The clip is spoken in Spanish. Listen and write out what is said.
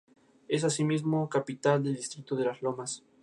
Es el depósito legal para la República de Argelia.